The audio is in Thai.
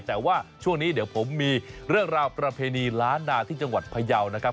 แต่ว่าช่วงนี้เดี๋ยวผมมีเรื่องราวประเพณีล้านนาที่จังหวัดพยาวนะครับ